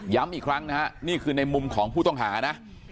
อีกครั้งนะฮะนี่คือในมุมของผู้ต้องหานะ